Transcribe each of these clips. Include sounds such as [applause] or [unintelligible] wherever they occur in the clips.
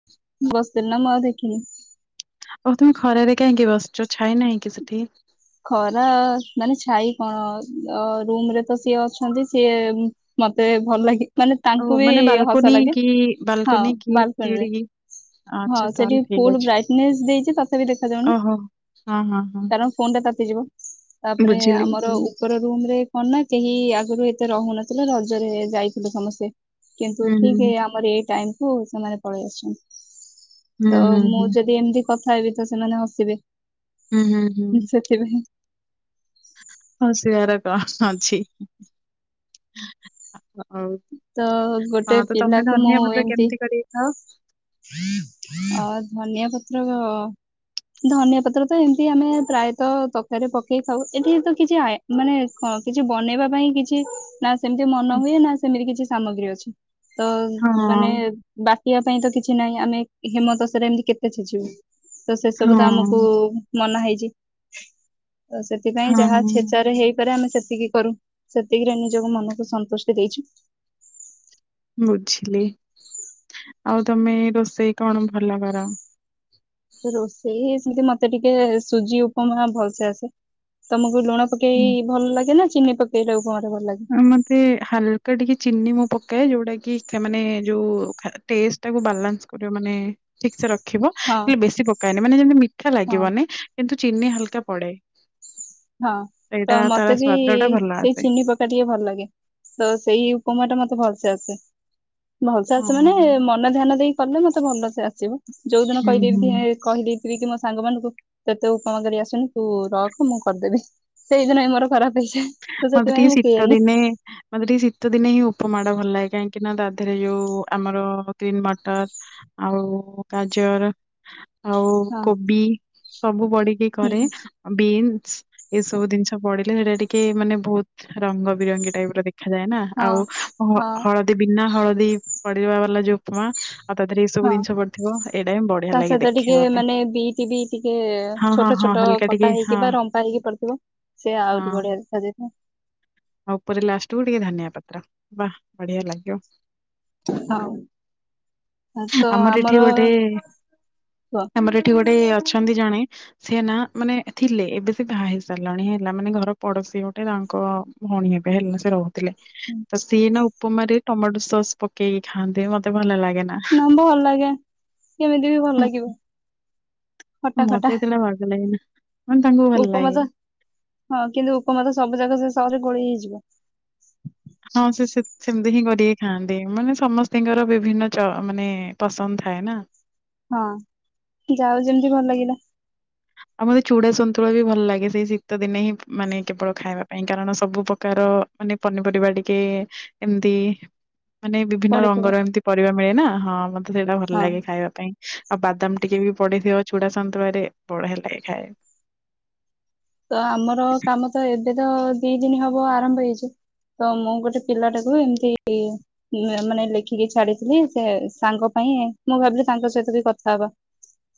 [inaudible] ବସିଥିଲି ନା ମୁଁ ଆଉ ଦେଖିନି। ଆଉ ତୁମେ ଖରାରେ କାହିଁକି ବସିଛ ଛାଇ ନାହିଁ କି ସେଠି। ଖରା ଅ ମାନେ ଛାଇ କଣ ଅ ରୁମ ରେ ତ ସିଏ ଅଛନ୍ତି ସିଏ ମତେ ଭଲ ଲାଗେ ମାନେ ଓ ତାଙ୍କୁ ବି ମାନେ ହସ ବାଲକୋନି ଲାଗେ କି ହଁ ବାଲକୋନି କି ବାଲକୁନୀରେ। ସିଡି ହଁ ଆଚ୍ଛା ତାହେଲେ ସେଠି ଠିକ ଫୁଲ ଅଛି। ବ୍ରାଇଟନେସ୍ ଦେଇଛି ତଥାପି ଦେଖାଯାଉନି ଓହୋ ହଁ ହଁ ହଁ। କାର ଫୋନ୍ ଟା ତାତିଯିବ ତାପରେ ବୁଝିଲି ଆମର ବୁଝିଲି ଉପର ରୁମ୍ ରେ କଣ ନା କେହି ଆଗୁରୁ ଏତେ ରହୁନଥିଲେ ରଜରେ ଯାଇଥିଲୁ ସମସ୍ତେ। କିନ୍ତୁ ହୁଁ ହୁଁ ଠିକ ଆମର ଏଇ ଟାଇମକୁୁ ସେମାନେ ପଳେଇ ଆସିଛ ହୁଁ ତ ହୁଁ ମୁଁ ହୁଁ। ଯଦି ଏମିତି କଥା ହେବି ତ ସେମାନେ ହସିବେ। ହୁଁ ହୁଁ। ସେଥିପାଇଁ। ହସିବାର କଣ ଅଛି? ହଉ ତ ଗୋଟେ ହଁ ତ ତମେ ପିଲାକୁ ମୁଁ ଧନିଆ ପତ୍ର ଏମତି କେମିତି କରିକି ଖାଅ? ଅ ଧନିଆ ପତ୍ର। ଧନିଆ ପତ୍ର ତ ଏମିତି ଆମେ ପ୍ରାୟତଃ ତରକାରିରେ ପକେଇ ଥାଉ ଏଠି ତ କିଛି ଆଏ ମାନେ କଁ କିଛି ବନେଇବା ପାଇଁ କିଛି ନା ସେମିତି ମନ ହୁଏ ନା ସେମିତି କିଛି ସାମଗ୍ରୀ ଅଛି ତ ହଁ ମାନେ ବାଟିବା ପାଇଁ ତ କିଛି ନାହିଁ ଆମେ ହେମଦସ୍ତାରେ ଏମିତି କେତେ ଛେଚିବୁ? ତ ସେ ହଁ ସବୁ ତ ଆମକୁ ମନା ହେଇଛି ତ ସେ ସେଥିପାଇଁ ହଁ ଯାହା ଛେଚାରେ ହେଇପାରେ ଆମେ ସେତିକି କରୁ ସେତିକିରେ ନିଜ ମନକୁ ସନ୍ତୁଷ୍ଟି ଦେଇଛୁ। ବୁଝିଲି ଆଉ ତମେ ରୋଷେଇ କଣ ଭଲ କର? ସେ ରୋଷେଇ ସେମିତି ମତେ ଟିକେ ସୁଜି ଉପମା ଭଲସେ ଆସେ। ତମକୁ ଲୁଣ ପକେଇ ଭଲ ଲାଗେ ନା ଚିନି ପକେଇ [unintelligible] ଭଲ ଲାଗେ? ମତେ ହାଲକା ଟିକେ ଚିନି ମୁଁ ପକାଏ ଯୋଉଟା କି ମାନେ ଯୋଉ ଟେଷ୍ଟ ଟାକୁ ବାଲାନ୍ସ କରିବ ମାନେ ଠିକ ସେ ରଖିବ ହଁ ହେଲେ ବେଶୀ ପକାଏନି ମାନେ ଯେମିତି ମିଠା ହଁ ଲାଗିବନି କିନ୍ତୁ ଚିନି ହାଲକା ପଡେ। ହଁ ତ ସେଇଟା ତାର ମତେ ବି ସ୍ଵାଦ ଟା ଭଲ ସେଇ ଆସେ। ଚିନି ପକେଇ ତାର ଟିକେ ଭଲ ଲାଗେ ତ ସେଇ ଉପମା ଟା ମତେ ଭଲସେ ଆସେ। ଭଲସେ ହଁ ଆସେ ମାନେ ମନେ ଧ୍ୟାନ ଦେଇ କଲେ ମତେ ଭଲସେ ଆସିବ ଯୋଉ ଦିନ ହୁଁ ହୁଁ କହିବେ ଏ କହିଦେଇଥିବି କି ମୋ ସାଙ୍ଗ ମାନଙ୍କୁ ତତେ ଉପମା କରି ଆସୁନି ତୁ ରଖ ମୁଁ କରିଦେବି ସେଇଦିନ ହିଁ ମୋର ଖରାପ ହେଇଯା ମତେ ଟିକେ ଶିତ ଦିନେ ମତେ ଟିକେ ଶୀତ ଦିନେ ହିଁ ଉପମାଡା ଭଲ ଲାଗେ କାହିଁକି ନା ତା ଧେରେ ଯୋଉ ଆମର ଗ୍ରୀନ୍ ମଟର ଆଉ ଗାଜର। ଆଉ ହଁ କୋବି ସବୁ ପଡିକି କରେ। ହଁ ବିନ୍ସ ଏସବୁ ଜିନିଷ ପଡିଲେ ସେଟା ଟିକେ ମାନେ ବହୁତ ରଙ୍ଗ ବିରଙ୍ଗୀ ଟାଇପ ର ଦେ ଦେଖାଯାଏ ନା ଆଉ ହଁ ହଳଦୀ ବିନା ହଳଦୀ ପଡିବା ବାଲା ଯୋଉ ଉପମା। ଆଉ ତା ଦେହରେ ଏଇ ସବୁ ହଁ ଜିନିଷ ପଡିଥିବ ଏଇଟା ହିଁ ବଢିଆ ତା ଲାଗେ ସହିତ ଟିକେ ଦେଖେଇବା ପାଇଁ ମାନେ ବିଟି ବି ଟିକେ ହଁ ହଁ ଛୋଟ ହଁ ଛୋଟ ହାଲକା ଟିକେ କଟା ହଁ ହେଇକି ବା ରମ୍ପା ହେଇକି ପଡିଥିବ ସେଏ ଆହୁରି ହଁ ବଢିଆ ଦେଖାଯାଇ। ଆଉ ଉପରେ ଲାଷ୍ଟକୁୁ ଟିକେ ଧନିଆ ପତ୍ର ବା ବଢିଆ ଲାଗିବ। ହଁ ଆମର ଏଠି ଗୋଟେ ଆମର ଏଠି ଗୋଟେ ଅଛନ୍ତି ଜଣେ ସିଏ ନା ମାନେ ଥିଲେ ଏବେ ସେ ବାହା ହେଇ ସାରିଲଣି ହେଲା, ମାନେ ଘର ପଡୋଶୀ ଗୋଟେ ତାଙ୍କ ଭଉଣୀ ହେବେ ହେଲେ ସେ ରହୁଥିଲେ, ତ ସିଏ ନା ଉପମାରେ ଟମାଟୋ ସସ୍ ପକେଇକି ଖାଆନ୍ତି, ମତେ ଭଲ ଲାଗେ ନା। ନମ୍ବ ଭଲ ଲାଗେ କେମିତି ବି ଭଲ ଲାଗିବ। ଖଟା ମତେ ଏତେଟା ବାଗ-ଲାଗେନା। ଉପମାଯା ହଁ କିନ୍ତୁ ଉପମାସ ସବୁ ଜାଗ ସେ ସହଯେ ଗୋଳେଇ ହେଇଯିବ। ହଁ ସେ ସେମତି ହିଁ କରିକି ଖାଆନ୍ତି ମାନେ ସମସ୍ତତିଙ୍କର ବିଭିନ୍ନ ଚ ମାନେ ପସନ୍ଦ ଥାଏ ନା। ହଁ ଯାକୁ ଯେମିତି ଭଲ ଲାଗିଲା। ଆଉ ମୋତେ ଚୁଡା ସନ୍ତୁଳ ବି ଭଲ ଲାଗେ ସେଇ ଶୀତ ଦିନେ ହିଁ ମାନେ କେବଳ ଖାଇବା ପାଇଁ କାରଣ ସବୁ ପ୍ରକାର ମାନେ ପନିପରିବା ଟିକେ ଏମିତି ମାନେ ବିଭିନ୍ନ ପଡିଥିବ ରଙ୍ଗର ଏମିତି ପରିବା ମିଳେ ନା ହଁ ମତେ ସେଇଟା ଭଲ ହଁ ଲାଗେ ଖାଇବା ପାଇଁ। ଆଉ ବାଦାମ ଟିକେ ବି ପଡିଥିବ ଛୁଡା ସନ୍ତୁଳାରେ ବଢିଆ ଲାଗେ ଖାଇଆକୁ। ତ ଆମର କାମ ତ ଏବେ ତ ଦି ଦିନ ହବ ଆରମ୍ଭ ହେଇଛି ତ ମୁଁ ଗୋଟେ ପିଲାଟାକୁ ଏମିତିଇ ମାନେ ଲେଖିକି ଛାଡିଥିଲି, ସେ ସାଙ୍ଗ ପାଇଁ ମୁଁ ଭାବିଲି ତାଙ୍କ ସହିତ ବି କଥା ହବା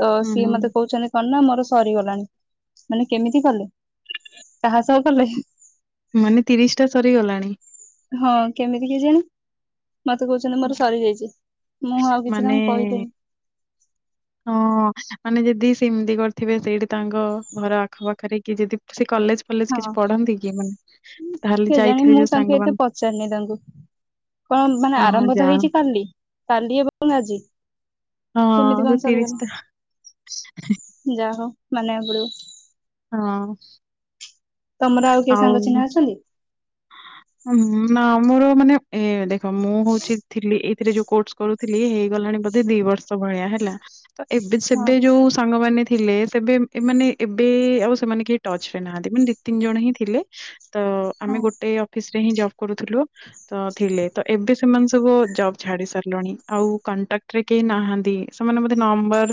ତ ହୁଁ ସିଏ ହୁଁ। ମତେ କହୁଛନ୍ତି କଣନା ମୋର ସରିଗଲାଣି ମାନେ କେମିତି କଲେ କାହା ସହ କଲେ ମାନେ ତିରିଶ ଟା ସରିଗଲାଣି। ହଁ କେମିତି କେଜାଣି? ମତେ କହୁଛନ୍ତି ମୋର ହୁଁ। ସରିଯାଇଛି ମୁଁ ଆଉ କିଛି ମାନେ ତାଙ୍କୁ କହିଲିନି। ହଁ ମାନେ ଯଦି ସେମିତି କରିଥିବେ ସେଇଠି ତାଙ୍କ ଘର ଆଖପାଖରେ କି ଯଦି ସେ କଲେଜ କଲେଜ ହଁ କିଛି ପଢନ୍ତି କି ମାନେ ତାହେଲେ କେଜାଣି ଯାଇଥିବେ ମୁଁ ଯୋଉ ତାଙ୍କୁ ଏତେ ସାଙ୍ଗମାନେ ପଚାରିନି ତାଙ୍କୁ କଣ ମାନେ ହଁ ହଁ ଆରମ୍ଭ ଯା ତ ହେଇଛି କାଲି କାଲି ଏବଂ ଆଜି ହଁ କେମିତି ସେ କଣ ସରିଗଲା ତିରିଶଟା ଯାହା ହଉ ମାନିବାକୁପଡିବ। ହଁ ଅଁ ତମର ଆଉ କିଏ ସାଙ୍ଗ ଚିହ୍ନା ଅଛନ୍ତି ନା ମୋର ମାନେ ଏ ଦେଖ ମୁଁ ହଉଛି ଥିଲି ଏଇଥିରେ ଯୋଉ କୋର୍ସ କରୁଥିଲି ହେଇଗଲାଣି ବୋଧେ ଦି ବର୍ଷ ଭଳିଆ ହେଲା ତ ଏବେ ହଁ ସେବେ ଯୋଉ ସାଙ୍ଗମାନେ ଥିଲେ ସେବେ ଏମାନେ ଏବେ ଆଉ ସେମାନେ କେହି ଟଚ ରେ ନାହାନ୍ତି ମାନେ ଦି ତିନି ଜଣ ହିଁ ଥିଲେ ତ ହଁ ଆମେ ଗୋଟେ ଅଫିସ ରେ ହିଁ ଜବ କରୁଥିଲୁ ତ ଥିଲେ ତ ଏବେ ସେମାନେ ସବୁ ଜବ୍ ଛାଡି ସାରିଲୁଣି ଆଉ କଣ୍ଟାକ୍ଟରେ କେହି ନାହାନ୍ତି ସେମାନେ ବୋଧେ ନମ୍ବର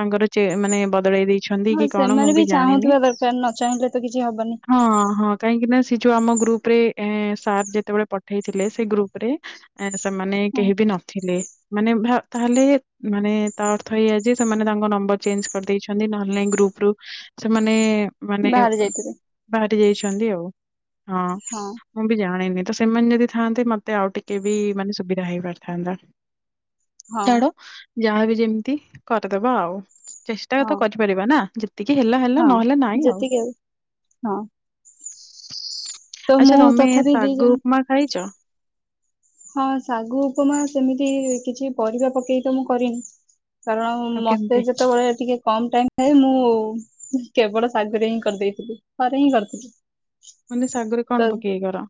ତାଙ୍କର ଚେଁ ମାନେ ବଦଳେଇ ଦେଇ ହଁ ସେମାନେ ବି ଚାହୁଁଥିବା ଦରକାର ନ ଚାହିଁଲେ ତ କିଛି ହବନି। ହଁ ହଁ କାହିଁକି ନା ସେ ଯୋଉ ଆମ ଗ୍ରୁପ ରେ ସାର୍ ଯେତେବେଳେ ପଠେଇଥିଲେ ସେ ଗ୍ରୁପ ରେ ଆଁ ସେମାନେ ହଁ କେହି ବି ନଥିଲେ। ମାନେ ତାହେଲେ ମାନେ ତା ଅର୍ଥ ହେଇଆ ଯେ ସେମାନେ ତାଙ୍କ ନମ୍ବର ଚେଞ୍ଜ କରିଦେଇଛ ନହେଲେ ନାଇଁ ଗ୍ରୁପ ରୁ ସେମାନେ ମାନେ ବାହାରେ ଯାଇଥିବେ ବାହାରି ଯାଇଛନ୍ତି ଆଉ। ହଁ ମୁଁ ବି ଜାଣିନି ତ ସେମାନେ ଯଦି ଥାନ୍ତେ ମତେ ଆଉ ଟିକେ ବି ମାନେ ସୁବିଧା ହେଇପାରିଥାନ୍ତା। ହଁ ଛାଡ ଯାହାବି ଯେମିତି କରିଦେବା ଆଉ, ଚେଷ୍ଟା ହଁ ତ କରି କରିବା ନା ଯେତିକି ହେଲା ହେଲା ହଁ ନହେଲେ ନାଇଁ ଆଉ ହଁ। ତ ଆଚ୍ଛା ମୁଁ ତମେ ତଥାପି ଦି ସାଗୁ ଜଣ ଉପମା ଖାଇଛ? ହଁ ଶାଗୁ ଉପମା ସେମିତି କିଛି ପରିବା ପକେଇ ତ ମୁଁ କରିନି। କାରଣ ଆଉ ମତେ କେମିତି? ଯେତେବେଳେ ଟିକେ କମ ଟାଇମ ଏ ମୁଁ କେବଳ ଶାଗୁରେ ହିଁ କରିଦେଇଥିଲି ଥରେ ହିଁ କରିଥିଲି। ମାନେ ଶାଗୁରେ ତ କଣ ପକେଇକି କର?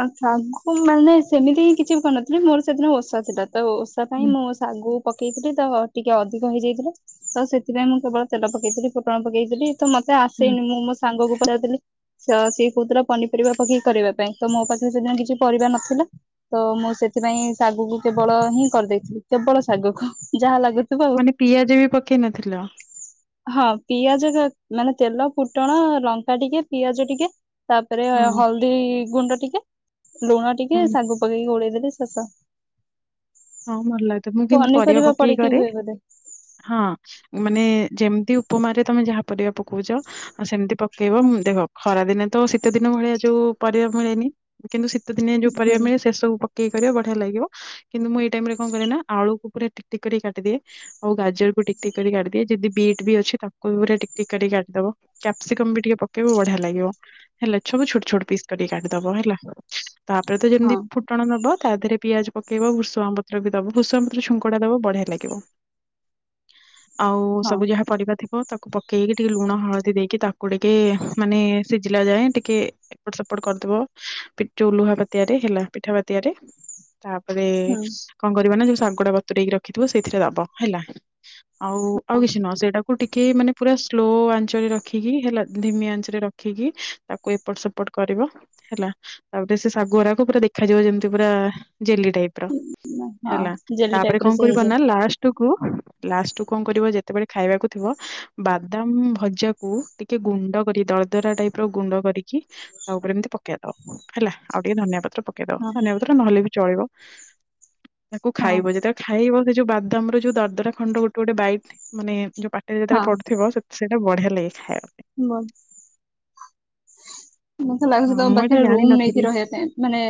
ଆ ସାଗୁ ମାନେ ସେମିତି ହିଁ କିଛି ବି କରିନଥିଲି ମୋର ସେଦିନ ଓଷା ଥିଲା। ତ ଓଷା ପାଇଁ ହୁଁ ମୁ ଶାଗୁ ପକେଇଥିଲି ତ ଟିକେ ଅଧିକ ହେଇଯାଇଥିଲା ତ ସେଥିପାଇଁ ମୁଁ କେବଳ ତେଲ ପକେଇଥିଲି ଫୁଟଣ ପକେଇଥିଲି। ତ ମତେ ହୁଁ ଆସେନି ମୋ ସାଙ୍ଗକୁ ପଚାରିଥିଲି। ତ ସିଏ କହୁଥିଲା ପନିପରିବା ପକେଇକି କରିବା ପାଇଁ ତ ମୋ ପାଖରେ ସେଦିନ କିଛି ପରିବା ନଥିଲା। ତ ମୁଁ ସେଥିପାଇଁ ଶାଗୁକୁ କେବଳ ହିଁ କରିଦେଇଥିଲି କେବଳ ଶାଗୁକୁ ଯାହା ଲାଗୁ ମାନେ ପିଆଜ ବି ପକେଇ ନଥିଲ? ହଁ ପିଆଜରା ମାନେ ତେଲ ଫୁଟଣ ଲଙ୍କା ଟିକେ ପିଆଜ ଟିକେ ତାପରେ ହଁ ହଳଦୀ ଗୁଣ୍ଡ ଟିକେ ଲୁଣ ଟିକେ ହଁ ଶାଗୁ ପକେଇକି ଗୋଳେଇ ଦେଲି ଶେଷ। ହଁ ଭଲ ଲାଗୁଥିବ ମୁଁ କିନ୍ତୁ ପରିବା ପନିପରିବା ପକେଇ ପଡିକି କରେ। ହୁଏ ବୋଧେ ହଁ ମାନେ ଯେମିତି ଉପମାରେ ତମେ ଯାହା ପରିବା ପକଉଛ ଅ ସେମତି ପକେଇବ ହଁ ଦେଖ ଖରା ଦିନେ ତ ଶୀତ ଦିନ ଭଳିଆ ଯୋଉ ପରିବା ମିଳେନି। କିନ୍ତୁ ଶୀତ ଦିନିଆ ଯୋଉ ହୁଁ ପରିବା ମିଳେ ସେ ସବୁ ପକେଇ କରିବ ବଢ଼ିଆ ଲାଗିବ କିନ୍ତୁ ମୁଁ ଏଇ ଟାଇମ୍ ରେ କଣ କରେ ନା ଆଳୁକୁ ପୁରା ଟିକ ଟିକ କରି କାଟିଦିଏ। ଆଉ ଗାଜରକୁ ଟିକ ଟିକ କରି କାଡିଦିଏ ଯଦି ବିଟ୍ ବି ଅଛି ତାକୁ ବି ପୁରା ଟିକ ଟିକ କରି କାଟିଦବ। କ୍ୟାପସିକମ ବି ଟିକେ ପକେଇବ ବଢ଼ିଆ ଲାଗିବ ହେଲା ଛବୁ ଛୋଟ ଛୋଟ ପିସ୍ କରିକି କାଟିିଦବ ହେଲା। ତାପରେ ତ ଯେମିତି ହଁ ଫୁଟଣ ନବ ତା ଦେହରେ ପିଆଜ ପକେଇବ ଭୃସଙ୍ଗ ତ୍ର ବି ଦବ ଭୃସଙ୍ଗ ପତ୍ର ଛୁଙ୍କ ଦବ ବଢ଼ିଆ ଲାଗିବ। ଆଉ ହଁ ସବୁ ଯାହା ପରିବା ଥିବ। ତାକୁ ପକେଇକି ଟିକେ ଲୁଣ ହଳଦୀ ଦେଇକି ତାକୁ ଟିକେ ମାନେ ସିଝିଲା ଯାଏଁ ଟିକେ ଏପଟ ସେପଟ କରିଦବ ପିକ୍ ଯୋଉ ଲୁହା ପାତିଆରେ ହେଲା ପିଠା ପାତିଆରେ। ତାପରେ ହୁଁ କଣ କରିବା ନା ଯୋଉ ଶାଗୁଟା ବତରେଇକି ରଖିଥିବ ସେଇଥିରେ ଦବ ହେଲା। ଆଉ ଆଉ କିଛି ନୁହଁ ସେଇଟାକୁ ଟିକେ ମାନେ ପୁରା ସ୍ଲୋ ଆଞ୍ଚରେ ରଖିକି ହେଲା ଧିମି ଆଞ୍ଚରେ ରଖିକି ତାକୁ ଏପଟ ସେପଟ କରିବ। ହେଲା ତାପରେ ସେ ଶାଗୁରା କୁ ପୁରା ଦେଖାଯିବ ଯେମିତି ପୁରା ଜେଲି ଟାଇପ୍। ହେଲା ହଁ ଜେଲି ତାପରେ ଟାଇପ ର କଣ ସେ କରିବ ହେଇଯାଏ ନା ଲାଷ୍ ଟୁକୁ ଲାଷ୍ଟ୍ କୁ କଣ କରିବ ଯେତେବେଳେ ଖାଇବାକୁ ଥିବ ବାଦାମ ଭଜାକୁ ଟିକେ ଗୁଣ୍ଡ କରି ଦରଦରା ଟାଇପର ଗୁଣ୍ଡ କରିକି ତା ଉପରେ ଏମିତି ପକେଇ ଦବ ହେଲା ଆଉ ଟିକେ ଧନିଆ ପତ୍ର ପକେଇ ହଁ ଦବ ଧନିଆ ପତ୍ର ନହେଲେ ବି ଚଳିବ। ତାକୁ ହଁ ଖାଇବ ଯେତେବେଳେ ଖାଇବ ବି ଯୋଉ ବାଦାମ ର ଯୋଉ ଦରଦରା ଖଣ୍ଡ ଗୋଟେ ଗୋଟେ ବାଇଟ୍ ମାନେ ଯୋଉ ପା ଟିରେ ଯେତେଳେ ହଁ ପଡ଼ୁଥିବ ସେତ ସେଟା ବଢ଼ି ଲାଗେ ଖାଇବା ପାଇଁ ବ ମତେ ଲାଗୁଛି ହଁ ତମ ମୁଁ ଏଇଟା ପାଖରେ ରୁମ ଜାଣିନଥିଲି। ନେଇକି ରହିବା ପାଇଁ ମାନେ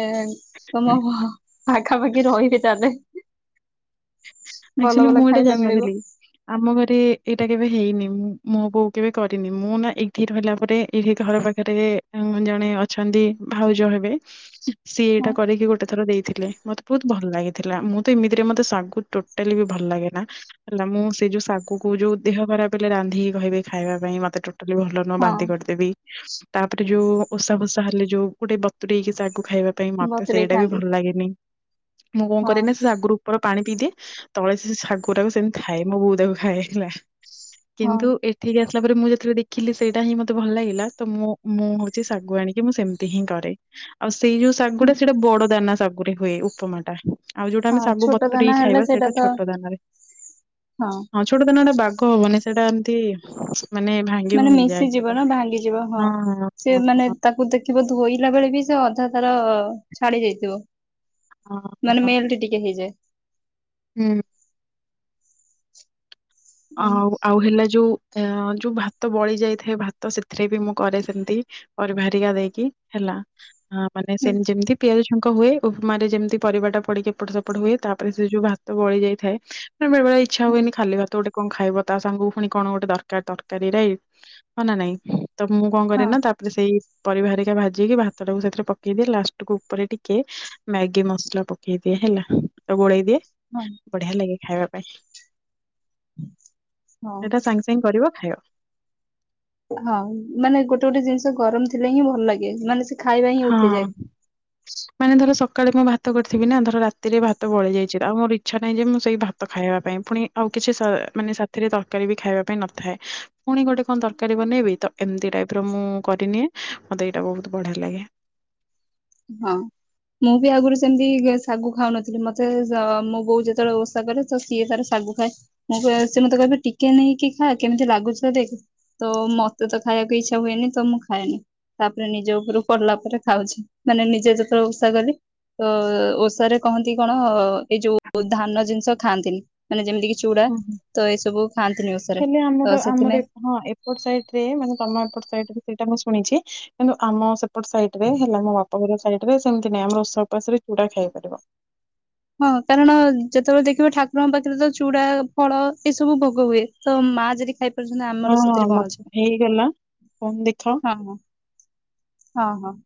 ତମ ଘ ପାଖାପାଖି ରହିବି ତାଲେ। ଆକଚୁଲି ଭଲ ମୁଁ ଏଇଟା ଖାଇବା ମିଳିବ ଜାଣିନଥିଲି। ଆମ ଘରେ ଏଇଟା କେବେ ହେଇନି ମୁଁ ମୋ ବୋଉ କେବେ କରିନି ମୁଁ ନା ଏଇଠି ରହିଲା ପରେ ଏଇଠି ଘର ପା ରେ ଜଣେ ଅଛନ୍ତି ଭାଉଜ ହେବେ। ସିଏ ଏଇଟା ହଁ କରିକି ଗୋଟେ ଥର ଦେଇଥିଲେ ମତେ ବହୁତ ଭଲ ଲାଗିଥିଲା ମୁଁ ତ ଏମିତିରେ ମତେ ଶାଗୁ ଟୋଟାଲି ବି ଭଲ ଲାଗେନା। ହେଲା ମୁଁ ସେଇ ଯୋଉ ଶାଗୁକୁ ଯୋଉ ଦେହ ଖରାପ ହେଲେ ରାନ୍ଧିକି କହିବେ ଖାଇବା ପାଇଁ ମତେ ଟୋ ଲି ଭଲ ନୁହଁ ହଁ ବାନ୍ତି କରିଦେବି। ତାପରେ ଯୋଉ ଓସା ଫୋଷା ହେଲେ ଯୋଉ ଗୋଟେ ବତୁରେଇକି ଶାଗୁ ଖାଇବା ପାଇଁ ମତେ ବତୁରେଇ ସେଇଟା ବି ଖାଆନ୍ତି ଭଲ ଲାଗେନି ମୁଁ କଣ ହଁ କରେନା ସେ ଶାଗୁରୁ ଉପର ପାଣି ପିଇଦିଏ। ତଳେ ସେ ସେ ଶାଗୁ ରାକୁ ସେମିତି ଥାଏ ମୋ ବୋଉ ତାକୁ ଖାଏ ହେଲା ହଁ କିନ୍ତୁ ଏ ଠିକି ଆସିଲା ପରେ ମୁଁ ଯେତେବେଳେ ଦେଖିଲି ସେଇଟା ହିଁ ମୋତେ ଭଲ ଲାଗିଲା ତ ମୁଁ ମୁଁ ହଉଛି ଶାଗୁ ଆଣିକି ମୁଁ ସେମିତି ହିଁ କରେ। ଆଉ ସେଇ ଯୋଉ ଶାଗୁଟା ସେଇଟା ବଡ଼ଦାନା ଶାଗୁରେ ହୁଏ ଉପମାଟା। ଆଉ ଯୋଉଟା ଆମେ ହଁ ସାଗୁ ଛୋଟ ଦାନା ବତୁରେଇକି ହେଲେ ଖାଇବା ସେଇଟା ସେଇଟା ତ ଛୋଟ ଦାନାରେ, ହଁ ଛୋଟ ଦାନାଟା ବାଗ ହବନି, ସେଟା ଏମତି ମାନେ ଭାଙ୍ଗି ମାନେ ଭୁଙ୍ଗି ଯାଏ ସେଟା ମିଶିଯିବ ନା ଭାଙ୍ଗିଯିବ ହଁ। ସିଏ ହଁ ମାନେ ହଁ ତାକୁ ଦେଖ ଖିବ ଧୋଇଲା ବେଳେ ବି ସେ ଅଧା ତାର ଛାଡି ଯାଇଥିବ। ହଁ। ମାନେ ହଁ ମେଲ୍ଟ ଟିକେ ହେଇଯାଏ। ହୁଁ। ଆଉ, ଆଉ ହେଲା ଯୋଉ ଏଁ ଯୋଉ ଭାତ ବଳି ଯାଇଥାଏ ଭାତ ସେଥିରେ ବି ମୁଁ କରେ ସେମତି। ପରିବା ହେରିକା ଦେଇକି ହେଲା, ମାନେ ହୁଁ ସେମତି ଯେମତି ପିଆଜ ଛୁଙ୍କ ହୁଏ ଉପମାରେ ଯେମତି ପରିବାଟା ପଡିକି ଏପଟ ସେପଟ ହୁଏ, ତାପରେ ସେ ଯୋଉ ଭାତ ବଳି ଯାଇଥାଏ ନାଇଁ ବେଳେ ବେଳେ ଇଚ୍ଛା ହଁ ହୁଏନି ଖାଲି ଭାତ ଗୋଟେ କଣ ଖାଇବ ତା ସାଙ୍ଗକୁ ପୁଣି କଣ ଗୋଟେ ଦରକାର ତରକାରୀ ରାଇ। ହଁ ନା ନାଇଁ? ତ ମୁଁ କଣ କରେ ନା, ତାପରେ ସେଇ ପରିବା ହେରିକା ଭାଜିକି, ଭାତଟାକୁ ସେଥିରେ ପକେଇଦିଏ, ଲାଷ୍ଟକୁୁ ଉପରେ ଟିକେ ମ୍ୟାଗି ମସଲା ପକେଇଦିଏ ହେଲା, ତ ଗୋଳେଇ ଦିଏ ହଁ। ବଢିଆ ଲାଗେ ଖାଇବା ପାଇଁ। ହଁ। ସେଇଟା ସାଙ୍ଗ ସାଙ୍ଗ କରିବ, ଖାଇବ। ହଁ ମାନେ ଗୋଟେ ଗୋଟେ ଜିନିଷ ଗରମ ଥିଲେ ହିଁ ଭଲ ଲାଗେ, ମାନେ ସେ ଖାଇବା ହିଁ ହଁ ଉଠିଯାଏ। ମାନେ ଧର ସକାଳେ ମୁଁ ଭାତ କରିଥିବି ନା, ଧର ରାତିରେ ଭାତ ବଳି ଯାଇଛି, ତ ଆଉ ମୋ ଇଚ୍ଛା ନାହିଁ ଯେ ମୁଁ ସେଇ ଭାତ୍ ତ ଖାଇବା ପାଇଁ। ପୁଣି ଆଉ କିଛି ସ ମାନେ ସାଥିରେ ତରକାରୀ ବି ଖାଇବା ପାଇଁ ନଥାଏ ପୁଣି ଗୋଟେ କଣ ତରକାରୀ ବନେଇବି, ତ ଏମତି ଟାଇପର ମୁଁ କରିନିଏ, ମତେ ଏଇଟା ବହୁତ ବଢିଆ ଲାଗେ। ହଁ। ମୁଁ ବି ଆଗୁରୁ ସେମତି ଗେ ଶାଗୁ ଖାଉନଥିଲି, ମତେ ଜ ମୋ ବୋଉ ଯେତେବେଳେ ଓଷା କରେ ତ ସିଏ ତାର ଶାଗୁ ଖାଏ। ମୁଁ କହିବି ସିଏ ମତେ କହିବେ ଟିକେ ନେଇକି ଖାଆ, କେମିତି ଲାଗୁଛି ତ ଦେଖ? ତ ମତେ ତ ଖାଇବାକୁ ଇଚ୍ଛା ହୁଏନି ତ ମୁଁ ଖାଏନି, ତାପରେ ନିଜ ଉପରୁ ପଡିଲା ପରେ ଖାଉଛି। ମାନେ ନିଜେ ଯେତେବେଳେ ଓଷା କଲି ତ ଓଷାରେ କହନ୍ତି କଣ, ଏଇ ଯୋଉ ଧାନ ଜିନିଷ ଖାଆନ୍ତିନି। ମାନେ ଯେମିତି କି ଚୁଡା, ହୁଁ ହୁଁ। ତ ଏଇସବୁ ଖାଆନ୍ତିନି ଓଷାରେ। ହେଲେ ଆମର ତ ଆମର ସେଥିନାଇଁ ଏପ ହଁ ଏପଟ ସାଇଟରେ ମାନେ ତମ ଏପଟ ସାଇଟରେ ସେଇଟା ମୁଁ ଶୁଣିଛି, କିନ୍ତୁ ଆମ ସେପ୍ ଏପଟ ସାଇଟରେ ହେଲା ମୋ ବାପଘର ସାଇଟରେ ସେମତି ନାହିଁ, ଆମର ଓଷା ଉପାସରେ ଚୁଡା ଖାଇବାକୁ ପଡିବ। ହଁ କାରଣ ଯେତେବେଳେ ଦେଖିବ ଠାକୁରଙ୍କ ପାଖରେ ତ ଚୁଡା, ଫଳ, ଏସବୁ ଭୋଗ ହୁଏ। ତ ମା ଯଦି ଖାଇ ପାରୁଛନ୍ତି ହଁ ଆମର ସେଥିରେ କଣ ମତେ ଅଛି। ହେଇଗଲା ଫୋନ ଦେଖାଅ। ହଁ। ହଁ ହଁ।